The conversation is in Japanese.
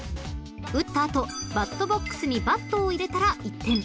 ［打った後バットボックスにバットを入れたら１点］